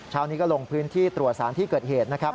เช้านี้ก็ลงพื้นที่ตรวจสารที่เกิดเหตุนะครับ